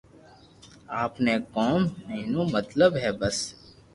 آپ ني ڪوم ميون مطلب ھي بس